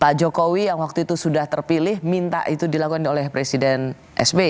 pak jokowi yang waktu itu sudah terpilih minta itu dilakukan oleh presiden sbi